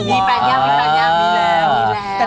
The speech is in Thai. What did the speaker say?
มีแปลงอย่างมีแล้ว